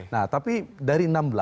nah tapi dari enam belas